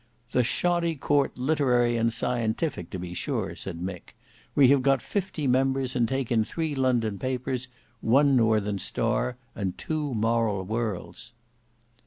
"The Shoddy Court Literary and Scientific, to be sure," said Mick; "we have got fifty members, and take in three London papers; one 'Northern Star' and two 'Moral Worlds.